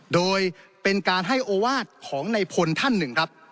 โดยเป็นการให้โอวาสของในพลท่านหนึ่งครับ